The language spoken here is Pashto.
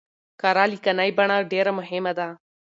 کره ليکنۍ بڼه ډېره مهمه ده.